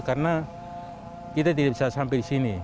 karena kita tidak bisa sampai di sini